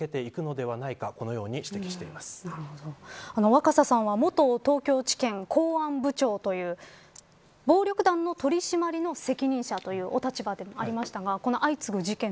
若狭さんは元東京地検公安部長という暴力団の取り締まりの責任者というお立場でもありましたがこの相次ぐ事件